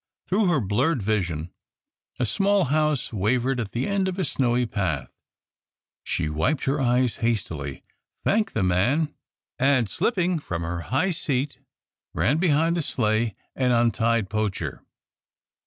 Through her blurred vision a small house wavered at the end of a snowy path. She wiped her eyes hastily, thanked the man, and, slipping from her high seat, ran behind the sleigh and untied Poacher.